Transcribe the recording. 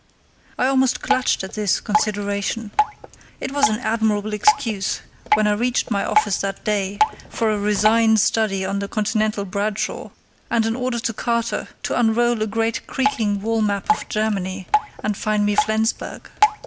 I almost clutched at this consideration. It was an admirable excuse, when I reached my office that day, for a resigned study of the Continental Bradshaw, and an order to Carter to unroll a great creaking wall map of Germany and find me Flensburg.